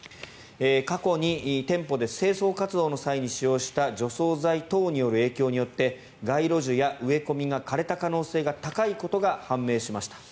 過去に店舗で清掃活動の際に使用した除草剤等による影響によって街路樹や植え込みが枯れた可能性が高いことが判明しました。